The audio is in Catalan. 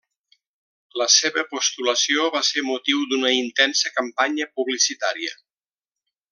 La seva postulació va ser motiu d'una intensa campanya publicitària.